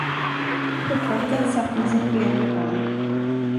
Portvakten satt med sitt bleka barn.